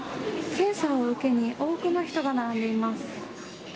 検査を受けに多くの人が並んでいます。